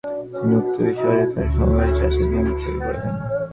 তিনি উক্ত বিদ্যালয়টি তার সমবয়সী চাচার নামে উৎসর্গ করে দেন।